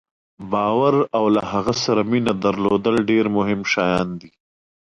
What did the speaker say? باور او له هغه سره مینه درلودل ډېر مهم شیان دي.